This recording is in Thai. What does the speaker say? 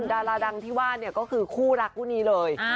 ดาราตราร์ดั่งคุยกับคู่รักคู่นี้เลย